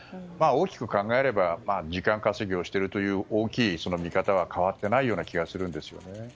大きく考えれば時間稼ぎをしているという大きい見方は変わっていないような気がするんですよね。